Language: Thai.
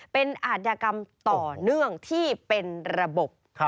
เป็นอาจยากรรมต่อเนื่องที่เป็นระบบ